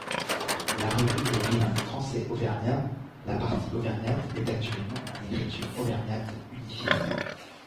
La revue est bilingue français-auvergnat, la partie auvergnate est actuellement en écriture auvergnate unifiée.